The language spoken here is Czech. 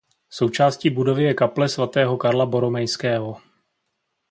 Součástí budovy je kaple svatého Karla Boromejského.